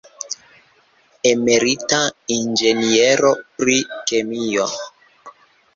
Emerita inĝeniero pri kemio.